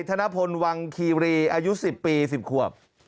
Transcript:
ธนพลวังคีรีอายุ๑๐ปี๑๐ขวบ